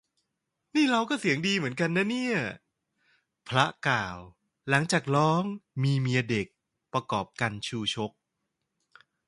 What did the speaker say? "นี่เราก็เสียงดีเหมือนกันนะเนี่ย" พระกล่าว หลังจากร้อง มีเมียเด็ก ประกอบกัณฑ์ชูชก